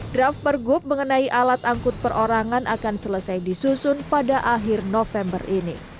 draft pergub mengenai alat angkut perorangan akan selesai disusun pada akhir november ini